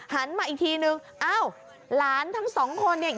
หันมาอีกทีนึงอ้าวหลานทั้งสองคนเนี่ย